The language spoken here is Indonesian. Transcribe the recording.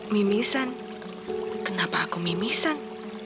mimisan kenapa aku mimisan